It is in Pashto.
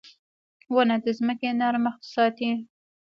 • ونه د ځمکې نرمښت ساتي.